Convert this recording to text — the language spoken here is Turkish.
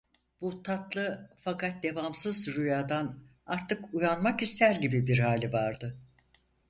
Bu tatlı, fakat devamsız rüyadan artık uyanmak ister gibi bir hali vardı.